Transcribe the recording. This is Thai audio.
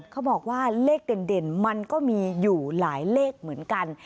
เขาบอกว่าเลขเด่นมันก็มีอยู่หลายเลขเหมือนกัน